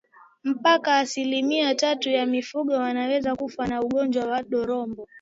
Mpaka asilimia tatu ya mifugo wanaweza kufa kwa ugonjwa wa ndorobo